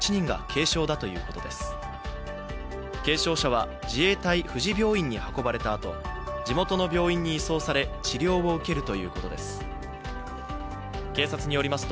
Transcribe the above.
軽傷者は自衛隊富士病院に運ばれたあと地元の病院に移送され、治療を受けるということです。